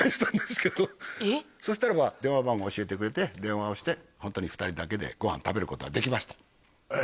そしたらば電話番号教えてくれて電話をしてホントに２人だけでご飯食べることができましたええ！